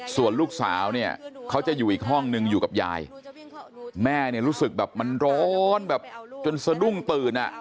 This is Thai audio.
ส่วนลูกสาวเนี่ยเขาจะอยู่อีกห้องนึงอยู่กับยายแม่เนี่ยรู้สึกแบบมันร้อนแบบจนสะดุ้งตื่นอ่ะ